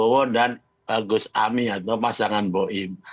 prabowo dan gus ami atau pasangan boim